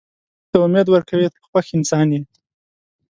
که ګاونډي ته امید ورکوې، ته خوښ انسان یې